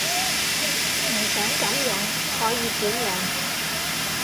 唔想咁樣可以點樣?